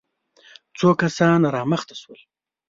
څو کسان را مخته شول.